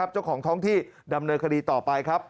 เจ้าของท้องที่ดำเนินคดีต่อไปครับ